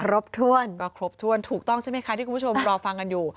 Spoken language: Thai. ครบถ้วนก็ครบถ้วนถูกต้องใช่ไหมคะที่คุณผู้ชมรอฟังกันอยู่